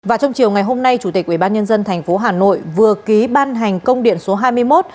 và trong chiều ngày hôm nay chủ tịch ubnd tp hà nội vừa ký ban hành công điện số hai mươi một